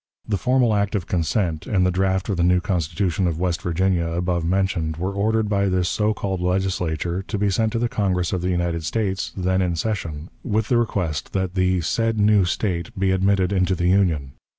The formal act of consent and the draft of the new Constitution of West Virginia above mentioned were ordered by this so called Legislature to be sent to the Congress of the United States, then in session, with the request that "the said new State be admitted into the Union."